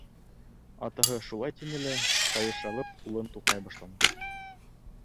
Атаһы шулай тине лә, ҡайыш алып, улын туҡмай башланы.